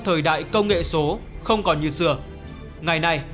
thời đại công nghệ số không còn như xưa ngày nay